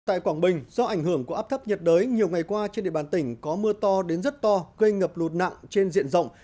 tại quảng bình do ảnh hưởng của áp thấp nhiệt đới nhiều ngày qua trên địa bàn tỉnh có mưa to đến rất to gây ngập lụt nặng trên diện rộng